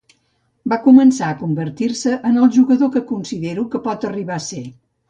Va començar a convertir-se en el jugador que considero que pot arribar a ser.